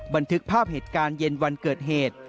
บันทึกภาพเหตุการณ์เย็นวันเกิดเหตุ